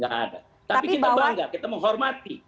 gak ada gak ada tapi kita bangga kita menghormati